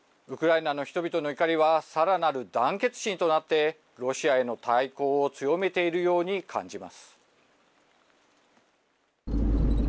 ウクライナの人々の怒りは、さらなる団結心となって、ロシアへの対抗を強めているように感じます。